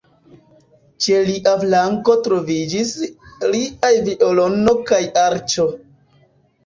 Ĉe lia flanko troviĝis liaj violono kaj arĉo.